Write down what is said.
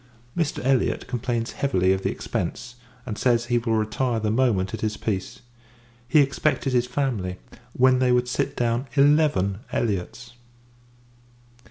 Mr. Elliot complains heavily of the expence; and says, he will retire the moment it is peace. He expected his family, when they would sit down eleven Elliots!